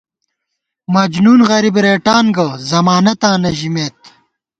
مجنون غریب ریٹان گہ ضمانتاں نہ ژِمېت